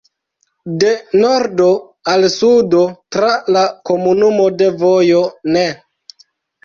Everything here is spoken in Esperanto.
De nordo al sudo tra la komunumo de vojo ne.